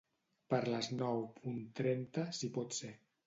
Per les nou punt trenta si pot ser.